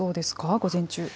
午前中。